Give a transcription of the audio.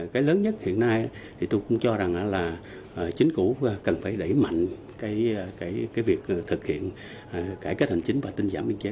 cái lớn nhất hiện nay thì tôi cũng cho rằng là chính cụ cần phải đẩy mạnh cái việc thực hiện cải cách hành chính và tinh dạng